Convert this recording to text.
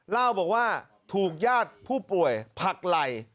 เล่าบอกว่าถูกญาติผู้ป่วยผักไหล่